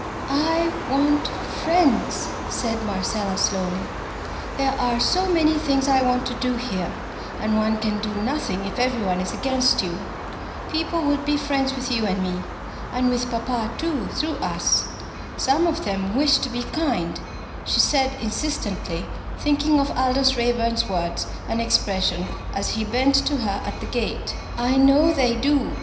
"I want friends!" said Marcella, slowly. "There are so many things I want to do here, and one can do nothing if every one is against you. People would be friends with you and me and with papa too, through us. Some of them wish to be kind" she added insistently, thinking of Aldous Raeburn's words and expression as he bent to her at the gate "I know they do.